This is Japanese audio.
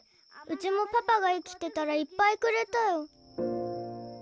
うちもパパが生きてたらいっぱいくれたよ。